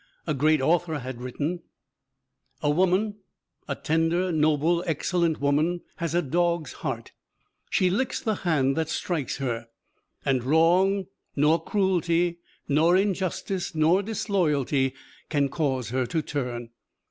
A great author has written: "A woman, a tender, noble, excellent woman, has a dog's heart. She licks the hand that strikes her. And wrong nor cruelty nor injustice nor disloyalty can cause her to turn."